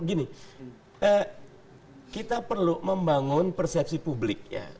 gini kita perlu membangun persepsi publik ya